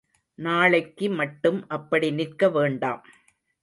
நாளைக்கு மட்டும் அப்படி நிற்க வேண்டாம்.